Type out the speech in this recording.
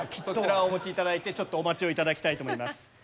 そちらをお持ちいただいてちょっとお待ちいただきたいと思います。